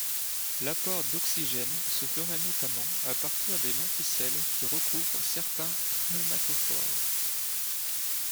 L'apport d'oxygène se ferait notamment à partir des lenticelles qui recouvrent certains pneumatophores.